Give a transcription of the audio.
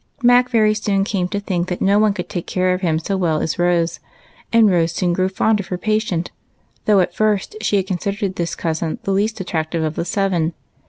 Mac soon, came to think that no one could take care of him so well as Rose, and Rose soon grew fond of her patient, though at first she had considered this cousin the least attractive of the seven.